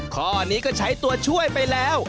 ข้อนี้ก็ใช้ตัวช่วยไปแล้ว